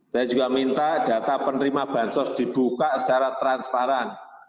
saya juga minta data penerima bansos dibuka secara transparan